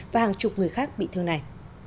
và hàng chục người khác bị thương này